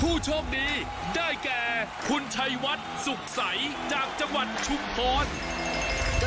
ผู้โชคดีได้แก่คุณชัยวัดสุขใสจากจังหวัดชุมพร